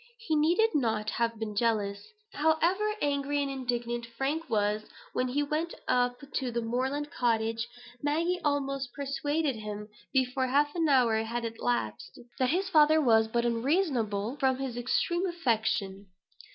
He needed not have been jealous. However angry and indignant Frank was when he went up to the moorland cottage, Maggie almost persuaded him, before half an hour had elapsed, that his father was but unreasonable from his extreme affection.